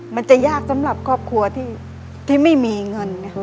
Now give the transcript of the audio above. มันจะยากสำหรับครอบครัวที่ไม่มีเงิน